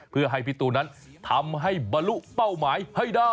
เพื่อให้พี่ตูนนั้นทำให้บรรลุเป้าหมายให้ได้